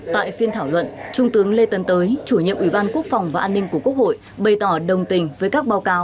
tại phiên thảo luận trung tướng lê tân tới chủ nhiệm ủy ban quốc phòng và an ninh của quốc hội bày tỏ đồng tình với các báo cáo